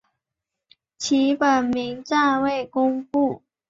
其本名暂未公布。